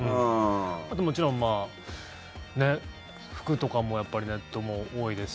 あと、もちろん服とかもネットが多いですし。